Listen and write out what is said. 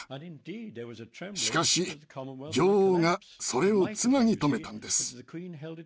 しかし女王がそれをつなぎ止めたんです。